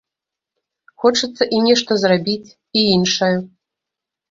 Хочацца і нешта зрабіць, і іншае.